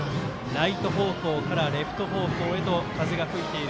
ライト方向からレフト方向へと、風が吹いている